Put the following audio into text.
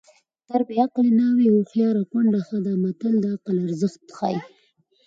تر بې عقلې ناوې هوښیاره کونډه ښه ده متل د عقل ارزښت ښيي